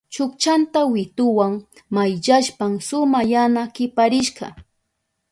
Chukchanta wituwa mayllashpan suma yana kiparishka.